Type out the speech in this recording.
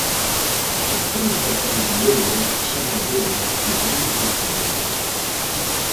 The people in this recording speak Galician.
O Punta Candieira xa navega rumbo a Celeiro.